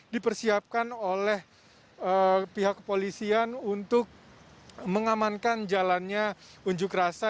dipersiapkan oleh pihak kepolisian untuk mengamankan jalannya unjuk rasa